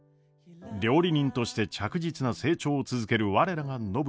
料理人として着実な成長を続ける我らが暢子。